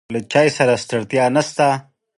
له چای سره ستړیا نشته.